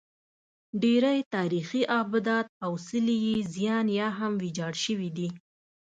ډېری تاریخي ابدات او څلي یې زیان یا هم ویجاړ شوي دي